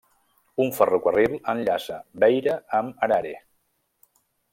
Un ferrocarril enllaça Beira amb Harare.